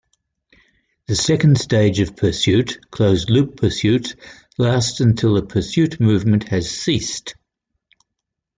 The second stage of pursuit, closed-loop pursuit, lasts until the pursuit movement has ceased.